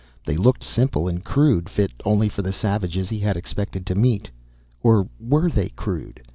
They looked simple and crude, fit only for the savages he had expected to meet. Or were they crude?